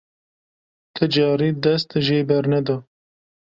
Ti carî dest jê bernede.